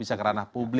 bisa keranah punggung